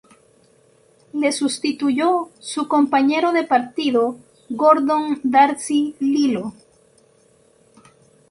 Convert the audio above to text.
Le sustituyó su compañero de partido Gordon Darcy Lilo.